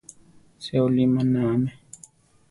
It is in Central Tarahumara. Seolí manáame.